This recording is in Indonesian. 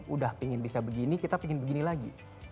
udah pingin bisa begini kita ingin begini lagi